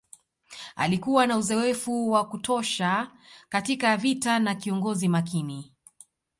Alikuwa na uzoefu wa kutosha katika vita na kiongozi makini